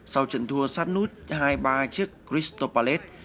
sau trận thua sát nút hai ba chiếc crystal palace